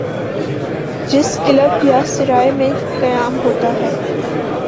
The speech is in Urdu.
جس کلب یا سرائے میں قیام ہوتا ہے۔